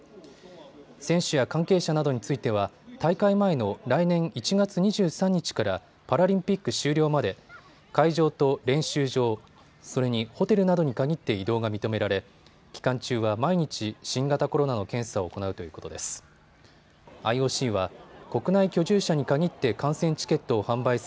選手や関係者などについては大会前の来年１月２３日からパラリンピック終了まで会場と練習場、それにホテルなどに限って移動が認められ期間中は毎日、新型コロナの検査を行うということです。